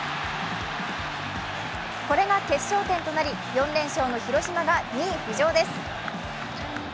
これが決勝点となり、４連勝の広島が２位浮上です。